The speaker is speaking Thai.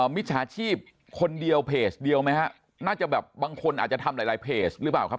มิจฉาชีพคนเดียวเพจเดียวไหมฮะน่าจะแบบบางคนอาจจะทำหลายเพจหรือเปล่าครับ